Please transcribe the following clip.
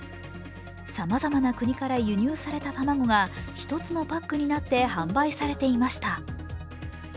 さまざまな国から輸入された卵が１つのパックになって販売されていました。